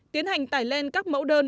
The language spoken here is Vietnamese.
tiến hành tải lên các mẫu đơn